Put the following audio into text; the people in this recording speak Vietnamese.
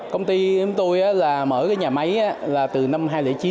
công ty em tôi mở cái nhà máy là từ năm hai nghìn chín